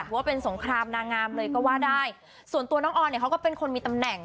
ว่าเป็นสงครามนางงามเลยก็ว่าได้ส่วนตัวน้องออนเนี่ยเขาก็เป็นคนมีตำแหน่ง